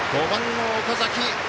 ５番の岡崎。